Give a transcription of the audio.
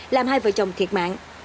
làm hai vợ chồng thiệt mạng